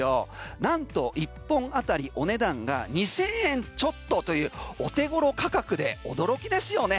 なんと１本あたり、お値段が２０００円ちょっとというお手頃価格で驚きですよね。